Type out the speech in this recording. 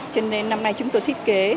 cho nên năm nay chúng tôi thiết kế